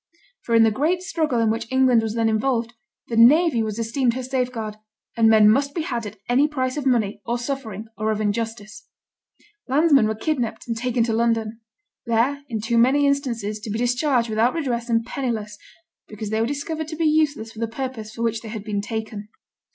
For in the great struggle in which England was then involved, the navy was esteemed her safeguard; and men must be had at any price of money, or suffering, or of injustice. Landsmen were kidnapped and taken to London; there, in too many instances, to be discharged without redress and penniless, because they were discovered to be useless for the purpose for which they had been taken.